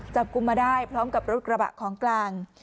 กุมมาได้พร้อมกับรถกระบะของกลาง